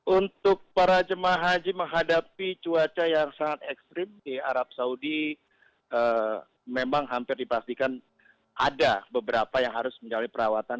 untuk para jemaah haji menghadapi cuaca yang sangat ekstrim di arab saudi memang hampir dipastikan ada beberapa yang harus menjalani perawatan